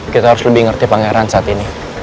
kita harus lebih ngerti pangeran saat ini